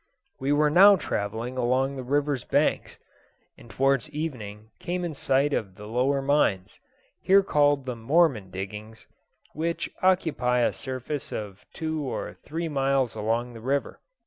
We were now travelling along the river's banks, and towards evening came in sight of the lower mines, here called the "Mormon" diggings, which occupy a surface of two or three miles along the river.